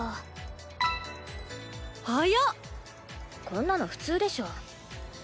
こんなの普通でしょ。